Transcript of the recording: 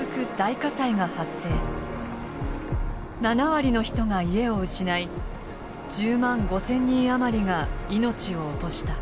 ７割の人が家を失い１０万５，０００人余りが命を落とした。